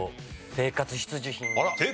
生活必需品。